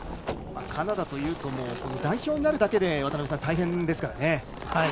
カナダというと代表になるだけで大変ですからね。